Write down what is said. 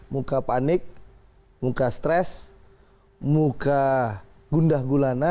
muka panik muka stres muka gundah gulana